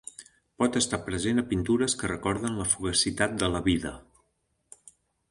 Pot estar present a pintures que recorden la fugacitat de la vida.